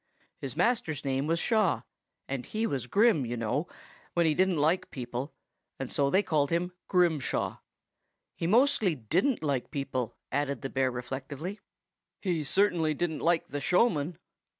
"His master's name was Shaw, and he was grim, you know, when he didn't like people, and so they called him 'Grimshaw.' He mostly didn't like people," added the bear reflectively. "He certainly didn't like the showman."